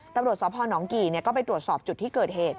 ตำรวจสพนกี่ก็ไปตรวจสอบจุดที่เกิดเหตุ